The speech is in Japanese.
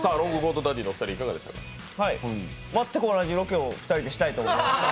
全く同じロケを２人でしたいと思いました。